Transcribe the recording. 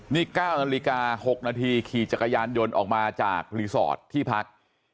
นี่๙นาฬิกา๖นาทีขี่จักรยานยนต์ออกมาจากรีสอร์ทที่พัก